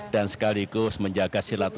dan sekaligus menjaga silatutu